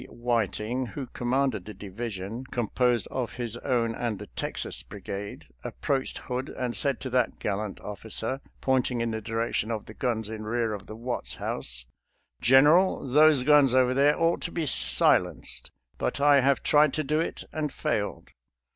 Whiting, who commanded the division composed of his own and the Texas brigade, approached Hood and said to that gallant officer, pointing in the direction of the guns in rear of the Watts house, " General, those guns over there ought to be silenced, but I have tried to do it and failed."